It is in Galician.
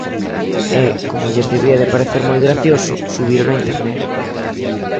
E, como lles debía de parecer moi gracioso, subírono á Internet.